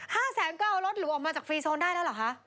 ห้าแสนก็เอารถหรูออกมาจากฟรีโซนได้แล้วเหรอคะ